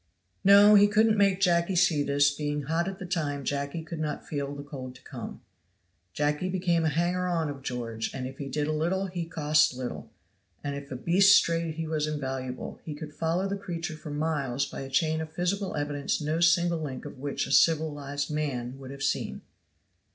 No, he couldn't make Jacky see this; being hot at the time Jacky could not feel the cold to come. Jacky became a hanger on of George, and if he did little he cost little; and if a beast strayed he was invaluable, he could follow the creature for miles by a chain of physical evidence no single link of which a civilized man would have seen.